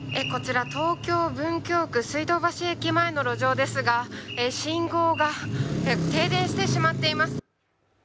こちら東京・文京区水道橋駅前の路上ですが信号が停電してしまっています。